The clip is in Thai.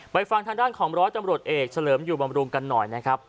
ฟังทางด้านของร้อยตำรวจเอกเฉลิมอยู่บำรุงกันหน่อยนะครับ